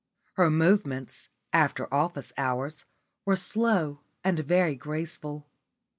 Her movements (after office hours) were slow and very graceful.